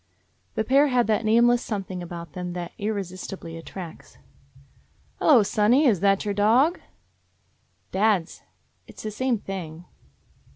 The pair had that nameless something about them that irresisti bly attracts. "Hello, sonny. That your dog?" "Dad's. It 's the same thing."